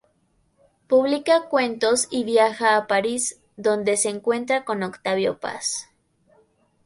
Publica cuentos y viaja a París, donde se encuentra con Octavio Paz.